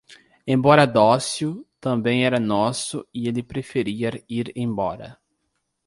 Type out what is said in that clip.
Embora dócil, também era nosso e ele preferia ir embora.